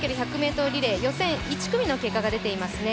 ｍリレー予選１組の結果が出ていますね。